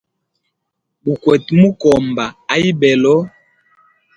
Gukwete mukomba a ibelo.